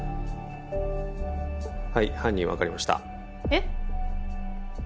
はい犯人分かりましたえっ？